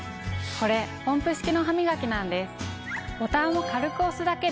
これポンプ式のハミガキなんです。